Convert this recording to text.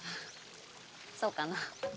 そうかな？